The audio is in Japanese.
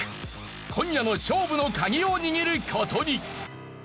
今夜の勝負の鍵を握る事に！